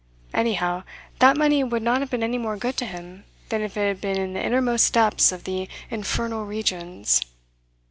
Anyhow, that money would not have been any more good to him than if it had been in the innermost depths of the infernal regions.